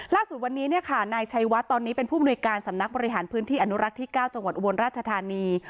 ล่าสุดวันนี้นายชัยวัดตอนนี้เป็นผู้มนุยการสำนักบริหารพื้นที่อนุรักษ์ที่๙จังหวัดอุบลราชธานี